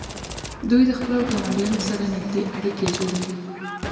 دوی د خپلو ګاونډیانو سره نږدې اړیکې جوړوي.